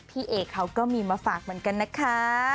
พี่เอกเขาก็มีมาฝากเหมือนกันนะคะ